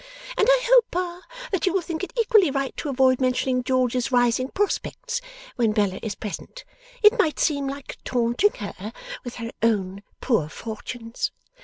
And I hope, Pa, that you will think it equally right to avoid mentioning George's rising prospects, when Bella is present. It might seem like taunting her with her own poor fortunes.